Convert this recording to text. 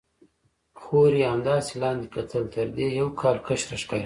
خور یې همداسې لاندې کتل، تر دې یو کال کشره ښکارېده.